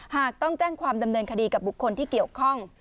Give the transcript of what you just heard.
หากต้องแจ้งความดำเนินคดีกับบุคคลที่เกี่ยวข้อง